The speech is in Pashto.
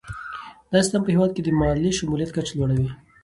دا سیستم په هیواد کې د مالي شمولیت کچه لوړوي.